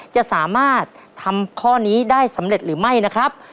จะสามารถทำข้อนี้ได้สำเร็จหรือไม่นะครับ